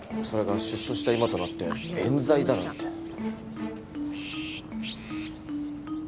それが出所した今となって冤罪だなんて。